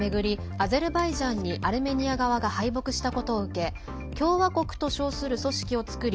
アゼルバイジャンにアルメニア側が敗北したことを受け共和国と称する組織を作り